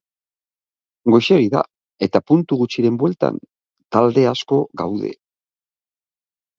Goizegi da eta puntu gutxiren bueltan talde asko gaude.